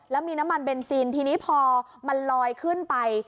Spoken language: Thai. แล้วมีน้ำมันเบนซินทีนี้พอมันลอยขึ้นไป